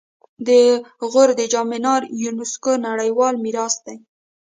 د غور د جام منار د یونسکو نړیوال میراث دی